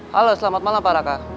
halo selamat malam pak raka